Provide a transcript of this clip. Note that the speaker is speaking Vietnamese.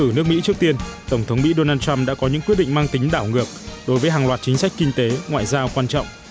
từ nước mỹ trước tiên tổng thống mỹ donald trump đã có những quyết định mang tính đảo ngược đối với hàng loạt chính sách kinh tế ngoại giao quan trọng